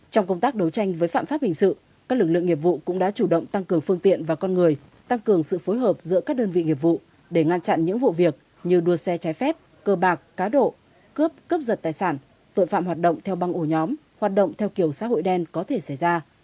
trong công tác đấu tranh với phạm pháp hình sự các lực lượng nghiệp vụ cũng đã chủ động tăng cường phương tiện và con người tăng cường sự phối hợp giữa các đơn vị nghiệp vụ để ngăn chặn những vụ việc như đua xe trái phép cơ bạc cá độ cướp cướp giật tài sản tội phạm hoạt động theo băng ổ nhóm hoạt động theo kiểu xã hội đen có thể xảy ra